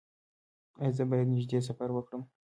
ایا زه باید نږدې سفر وکړم؟